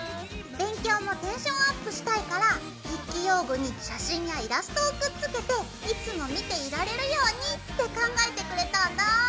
勉強もテンションアップしたいから筆記用具に写真やイラストをくっつけていつも見ていられるようにって考えてくれたんだ！